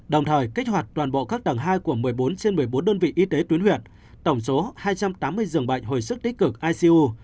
đồng thời kích hoạt toàn bộ các tầng hai của một mươi bốn trên một mươi bốn đơn vị y tế tuyến huyện tổng số hai trăm tám mươi giường bệnh hồi sức tích cực icu